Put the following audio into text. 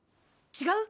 違う？